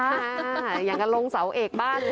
อ่าอย่างกันลงเสาเอกบ้าง